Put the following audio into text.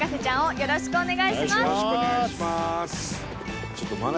よろしくお願いします。